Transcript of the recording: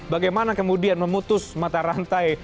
bagaimana kemudian memutus matahari